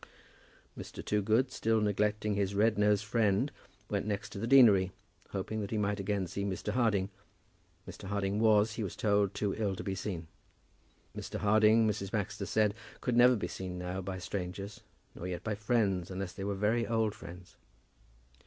Mr. Toogood, still neglecting his red nosed friend, went next to the deanery, hoping that he might again see Mr. Harding. Mr. Harding was, he was told, too ill to be seen. Mr. Harding, Mrs. Baxter said, could never be seen now by strangers, nor yet by friends, unless they were very old friends.